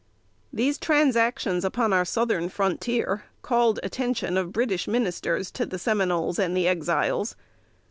] These transactions upon our Southern frontier, called attention of British Ministers to the Seminoles and the Exiles.